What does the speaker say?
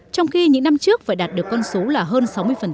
trong khi những năm trước phải đạt được con số là hơn sáu mươi